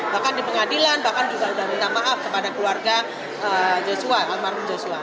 bahkan di pengadilan bahkan juga sudah minta maaf kepada keluarga joshua almarhum joshua